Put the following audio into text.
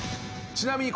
ちなみに。